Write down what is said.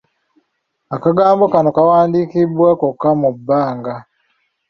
Akagambo kano kawandiikibwa kokka mu bbanga.